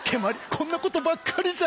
こんなことばっかりじゃ！